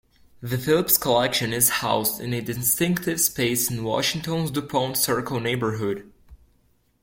The Phillips Collection is housed in a distinctive space in Washington's Dupont Circle neighborhood.